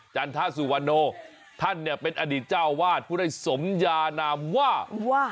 จันทราสุวัโนท่านเป็นอดีตเจ้าวาดพูดให้สมยานามว่า